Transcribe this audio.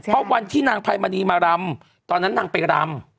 เพราะวันที่นางไพมณีมารำตอนนั้นนางไปรำ